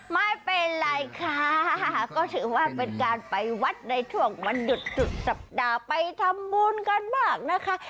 ไม่เป็นไรค่ะก็ถือว่าเป็นการไปวัดในช่วงวันหยุดสุดสัปดาห์ไปทำบุญกันบ้างนะคะ